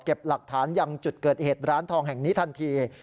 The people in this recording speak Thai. หลักฐานยังจุดเกิดเหตุร้านทองแห่งนี้ทันที